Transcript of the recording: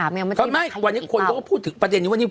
อะไรเอ่ย